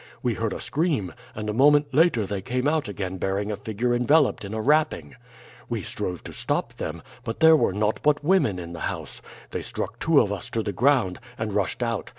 We heard a scream, and a moment later they came out again bearing a figure enveloped in a wrapping. We strove to stop them, but there were naught but women in the house. They struck two of us to the ground, and rushed out.